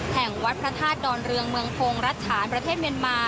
แห่งวัดพระธาตุดอนเรืองเมืองพงศ์รัชฉานประเทศเมียนมา